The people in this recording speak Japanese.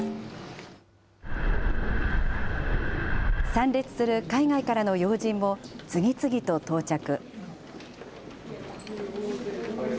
参列する海外からの要人も次々と到着。